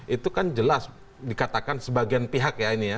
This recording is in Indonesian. itu kan jelas dikatakan sebagian pihak ya ini ya